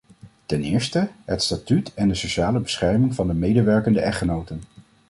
Ten eerste, het statuut en de sociale bescherming van de medewerkende echtgenoten.